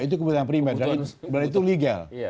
itu kebutuhan primer berarti itu legal